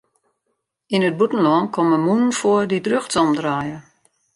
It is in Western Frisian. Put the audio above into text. Yn it bûtenlân komme mûnen foar dy't rjochtsom draaie.